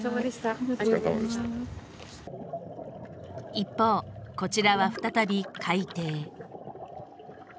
一方こちらは再び海底。